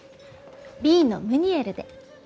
Ｂのムニエルで。